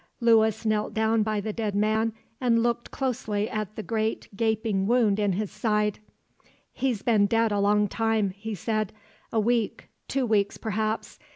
Lewis knelt down by the dead man and looked closely at the great gaping wound in his side. "He's been dead a long time," he said. "A week, two weeks, perhaps.